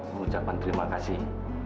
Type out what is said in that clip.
mengucapkan terima kasih